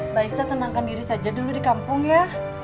mbak isa tenangkan diri saja dulu di kampung ya